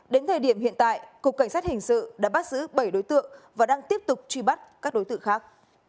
đến thời điểm hiện tại cục cảnh sát hình sự đã bắt giữ bảy đối tượng và đang tiếp tục truy bắt các đối tượng khác